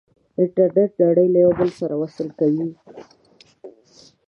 انټرنیټ نړۍ له یو بل سره وصل کوي.